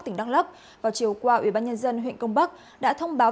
tỉnh đăng lấp vào chiều qua ubnd huyện công bắc đã thông báo